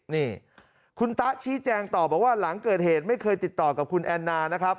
นี่คุณตะชี้แจงต่อบอกว่าหลังเกิดเหตุไม่เคยติดต่อกับคุณแอนนานะครับ